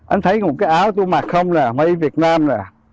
anh thấy một cái áo tôi mặc không nè mây việt nam nè